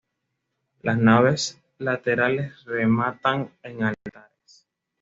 Las naves laterales rematan en altares.